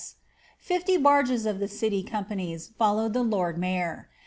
I of the city companies followed the lord mayor.